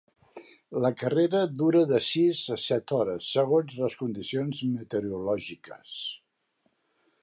La carrera dura de sis a set hores, segons les condicions meteorològiques.